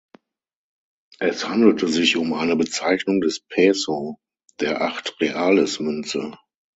Es handelte sich um eine Bezeichnung des Peso, der Acht-Reales-Münze.